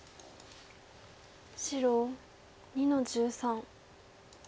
白２の十三。